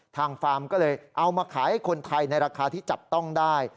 ฟาร์มก็เลยเอามาขายให้คนไทยในราคาที่จับต้องได้